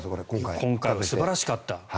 今回は素晴らしかった。